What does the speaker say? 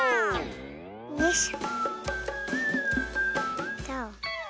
よいしょ。